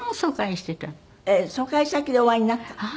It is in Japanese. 疎開先でお会いになったの？